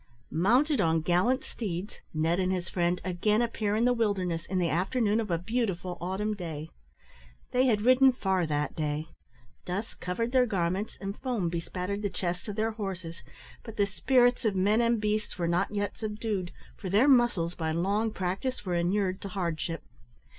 Mounted on gallant steeds, Ned and his friend again appear in the wilderness in the afternoon of a beautiful autumn day. They had ridden far that day. Dust covered their garments, and foam bespattered the chests of their horses, but the spirits of men and beasts were not yet subdued, for their muscles, by long practice, were inured to hardship.